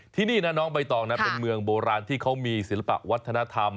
ที่นี่นะน้องใบตองนะเป็นเมืองโบราณที่เขามีศิลปะวัฒนธรรม